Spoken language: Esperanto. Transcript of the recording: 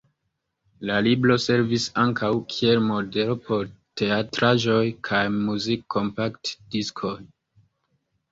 La libro servis ankaŭ kiel modelo por teatraĵoj kaj muzik-kompaktdiskoj.